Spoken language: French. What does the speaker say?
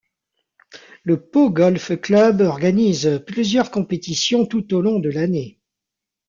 Le Pau Golf Club organise plusieurs compétitions tout au long de l'année.